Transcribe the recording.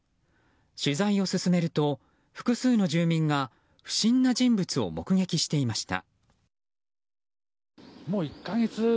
取材を進めると複数の住民が不審な人物を目撃していました。